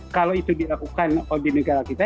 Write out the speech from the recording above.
kalau itu dilakukan di negara kita